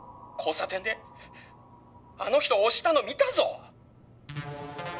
交差点であの人を押したの見たぞ！